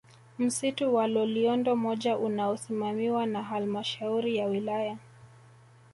Msitu wa Loliondo moja unaosimamiwa na Halmashauri ya Wilaya